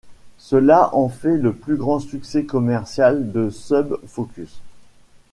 Cela en fait le plus grand succès commercial de Sub Focus.